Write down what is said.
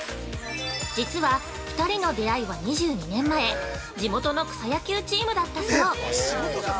実は、２人の出会いは２２年前地元の草野球チームだったそう！